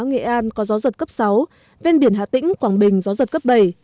nghệ an có gió giật cấp sáu ven biển hà tĩnh quảng bình gió giật cấp bảy